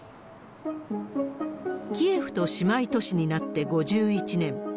キエフと姉妹都市になって５１年。